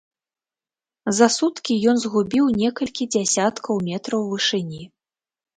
За суткі ён згубіў некалькі дзясяткаў метраў вышыні.